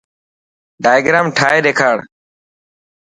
ڊائگرام ٺاهي ڏيکار.